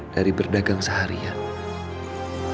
dari berdagang seharian